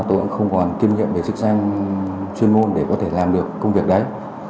tôi cũng không còn kiêm nhận về chức danh chuyên môn để có thể làm được công việc đấy